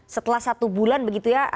setelah satu bulan begitu ya